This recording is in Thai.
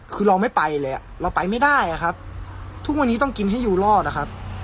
คือเราไม่ไปเลยเราไปไม่ได้อะครับทุกวันนี้ต้องกินให้อยู่รอดอะครับ